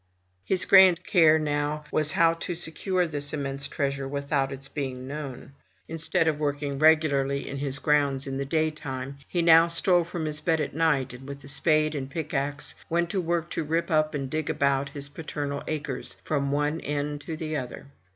His grand care now was how to secure this immense treasure without its being known. Instead of his working regularly in his grounds in the daytime, he now stole from his bed at night, and with spade and pickaxe went to work to rip up and dig about his paternal acres, from one end to the other.